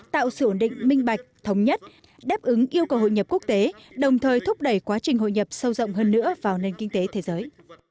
tạo sự ổn định minh bạch thống nhất đáp ứng yêu cầu hội nhập quốc tế đồng thời thúc đẩy quá trình hội nhập sâu rộng hơn nữa vào nền kinh tế thế giới